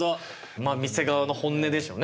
まあ店側の本音でしょうね